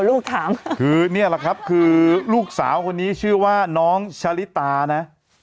ลูกถามคือนี่แหละครับคือลูกสาวคนนี้ชื่อว่าน้องชะลิตานะ